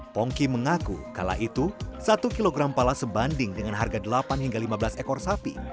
pongki mengaku kala itu satu kg pala sebanding dengan harga delapan hingga lima belas ekor sapi